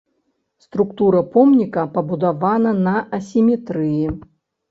Структура помніка пабудавана на асіметрыі.